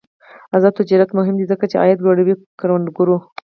آزاد تجارت مهم دی ځکه چې عاید لوړوي کروندګرو.